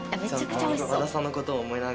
和田さんのことを思いながら。